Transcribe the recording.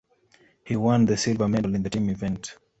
He won the silver medal in the team event.